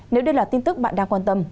nếu đây là tin tức bạn đang quan tâm